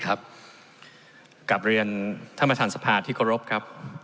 กรับเรียนทหมาธารสภาที่โรครับ